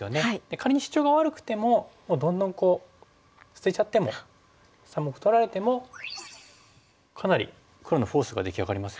仮にシチョウが悪くてももうどんどん捨てちゃっても３目取られてもかなり黒のフォースが出来上がりますよね。